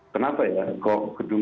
kenapa ya kok gedung